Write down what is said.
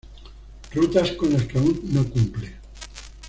Rutas con las que aún no cumple.